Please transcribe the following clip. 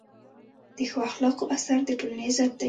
د ښو اخلاقو اثر د ټولنې عزت دی.